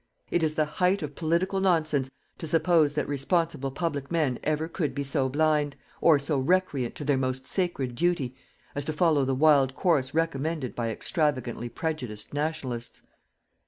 It is the height of political nonsense to suppose that responsible public men ever could be so blind, or so recreant to their most sacred duty, as to follow the wild course recommended by extravagantly prejudiced "Nationalists."